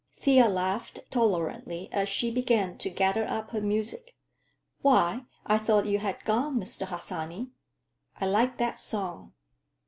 Thea laughed tolerantly as she began to gather up her music. "Why, I thought you had gone, Mr. Harsanyi. I like that song."